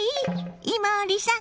伊守さん